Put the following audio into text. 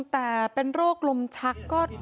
แต่เป็นโรคลมชักก็